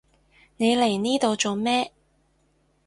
你嚟呢度做咩？